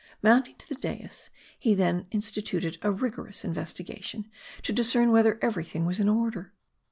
Mounting to the dais, he then instituted a vigorous investigation, to discern whether every thing was in order.